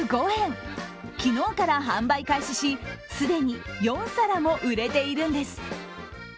昨日から販売開始し、既に４皿も売れているんです。